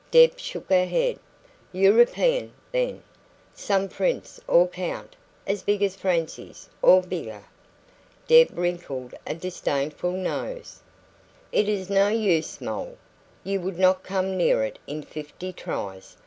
Deb shook her head. "European, then? Some prince or count, as big as Francie's, or bigger?" Deb wrinkled a disdainful nose. "It is no use, Moll; you would not come near it in fifty tries.